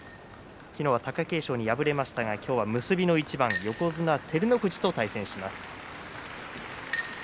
昨日は貴景勝に敗れましたが今日は結びの一番、横綱照ノ富士と対戦します。